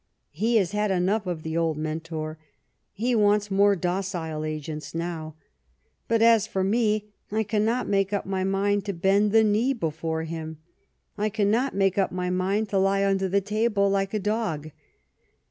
He has had enough of the old Mentor ; he wants more docile agents now. But, as for rfie, I cannot make up my mind to bend the knee before him ; I cannot make up my mind to lie under the table like a dog.